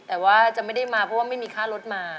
แต่ว่าจะไม่ได้มาเพราะว่าไม่มีค่ารถมา